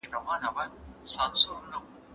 علمي سیمینار په ناسمه توګه نه رهبري کیږي.